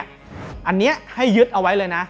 อันนี้ให้ยึดเอาไว้เลยนะ